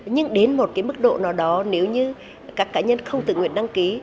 nhưng đến một cái mức độ nào đó nếu như các cá nhân không tự nguyện đăng ký